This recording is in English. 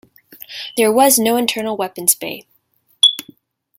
There was no internal weapons bay.